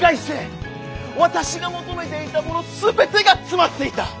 私が求めていたもの全てが詰まっていた。